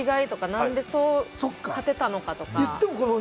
何で勝てたのかとか。